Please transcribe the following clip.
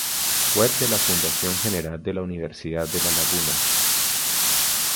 Web de la Fundación General de la Universidad de La Laguna